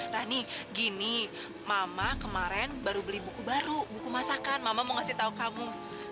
nah nih gini mama kemarin baru beli buku baru buku masakan mama mau ngasih tahu kamu